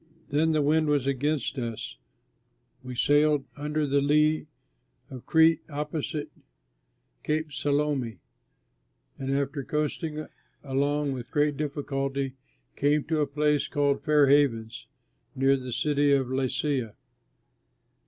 Then as the wind was against us we sailed under the lee of Crete, opposite Cape Salmone, and after coasting along with great difficulty came to a place called Fair Havens, near the city of Lasea.